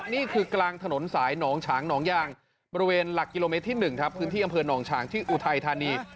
นี่คือกลางถนนสายหนองฉางหนองยางบริเวณหลักกิโลเมตรที่๑ครับพื้นที่อำเภอหนองฉางที่อุทัยธานี